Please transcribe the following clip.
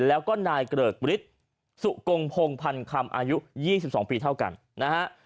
แล้วก็นายเกริกฤทธิ์สุกงพงพันคำอายุ๒๒ปีเท่ากันนะฮะ